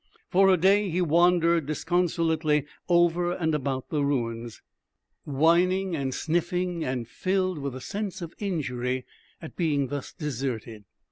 For a day he wandered disconsolately over and about the ruins, whining and sniffing, and filled with a sense of injury at being thus deserted.